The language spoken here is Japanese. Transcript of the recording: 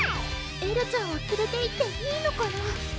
エルちゃんをつれていっていいのかな？